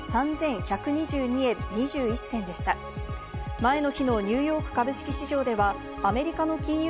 前の日のニューヨーク株式市場ではアメリカの金融